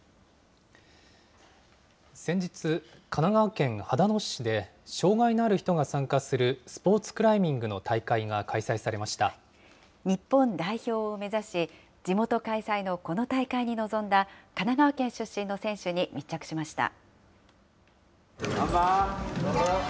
先日、神奈川県秦野市で障害のある人が参加するスポーツクライミングの日本代表を目指し、地元開催のこの大会に臨んだ、神奈川県出身の選手に密着しました。